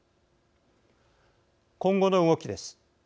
今後の動きです。